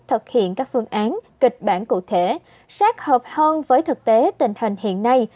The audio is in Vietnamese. thực hiện các phương án kịch bản cụ thể sát hợp hơn với thực tế tình hình hiện nay